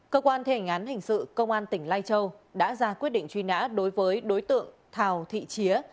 cơ quan thi hành án hình sự công an tỉnh lai châu đã ra quyết định truy nã đối với đối tượng thào thị chía